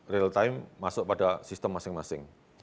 real time masuk pada sistem masing masing